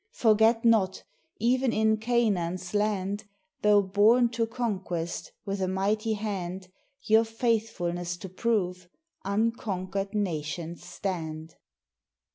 Forget not, even in Canaan's land, Though borne to conquest with a mighty hand, Your faithfulness to prove unconquered nations stand.